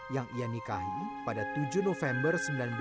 yang ia nikahi pada tujuh november seribu sembilan ratus sembilan puluh